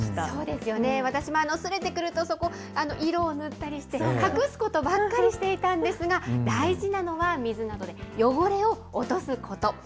そうですよね、私もすれてくると、そこ、色を塗ったりして、隠すことばっかりしていたんですが、大事なのは、水などで汚れを落とすこと。